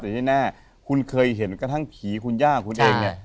แต่ที่แน่คุณเคยเห็นกระทั่งผีคุณย่าคุณเองเนี่ย